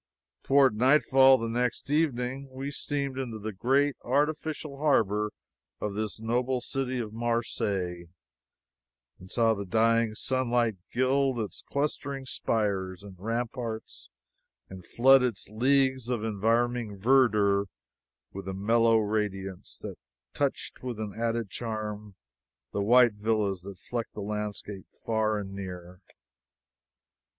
Toward nightfall the next evening, we steamed into the great artificial harbor of this noble city of Marseilles, and saw the dying sunlight gild its clustering spires and ramparts, and flood its leagues of environing verdure with a mellow radiance that touched with an added charm the white villas that flecked the landscape far and near. [Copyright secured according to law.